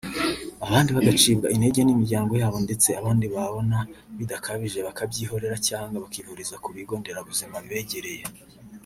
abandi bagacibwa intege n’imiryango yabo ndetse abandi babona bidakabije bakabyihorera cyangwa bakivuriza ku bigo nderabuzima bibegereye